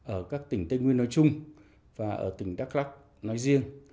ở các tỉnh tây nguyên nói chung và ở tỉnh đắk lắc nói riêng